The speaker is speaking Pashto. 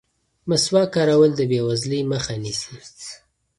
مسواک کارول د بې وزلۍ مخه نیسي.